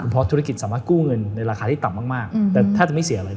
เพราะธุรกิจสามารถกู้เงินในราคาได้ต่ำมากแต่แทบจะไม่เสียเลย